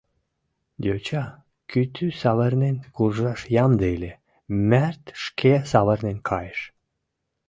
Йоча кӱтӱ савырнен куржаш ямде ыле, Мӓрт шке савырнен кайыш.